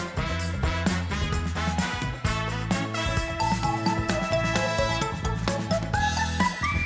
ตายที่หัวติดอาการว่าครับ